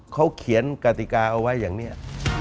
เขาเขียนกติกาเอาไว้อย่างนี้